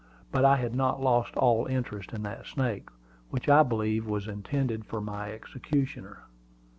But I had not lost all interest in that snake, which I believed was intended for my executioner.